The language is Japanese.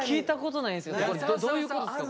どういうことっすか？